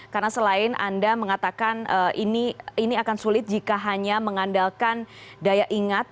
karena selain anda mengatakan ini akan sulit jika hanya mengandalkan daya ingat